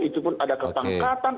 itu pun ada kepangkatan